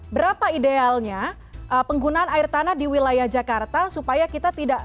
berapa idealnya penggunaan air tanah di wilayah jakarta supaya kita tidak